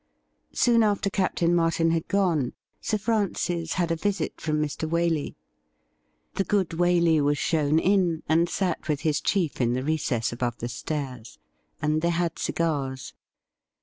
Soon after Captain Martin had gone, Sir Francis had a visit from Mr. Waley. The good Waley was shown in, and sat with his chief in the recess above the stairs ; and they had cigars.